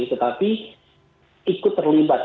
tetapi ikut terlibat